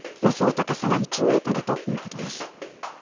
高さは１メートルということです。